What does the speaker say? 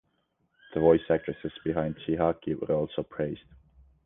The voice actresses behind Chiaki were also praised.